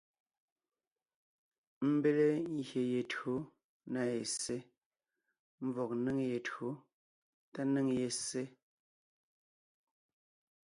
Ḿbéle ngyè ye tÿǒ na ye ssé (ḿvɔg ńnéŋ ye tÿǒ tá ńnéŋ ye ssé).